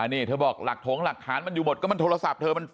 นี่เธอบอกหลักถงหลักฐานมันอยู่หมดก็มันโทรศัพท์เธอ